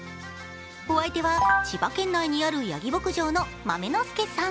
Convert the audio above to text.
お相手は千葉県内にあるやぎ牧場の豆の助さん。